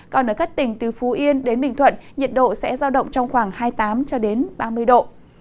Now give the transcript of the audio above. còn ở các tỉnh từ phú yên đến bình thuận nhiệt độ sẽ giao động trong khoảng hai mươi tám ba mươi độ